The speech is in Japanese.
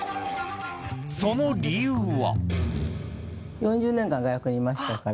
その理由は。